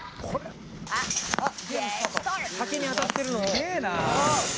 「すげえな！」